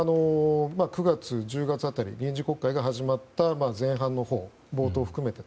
９月、１０月辺り臨時国会が始まった前半のほう、冒頭を含めて。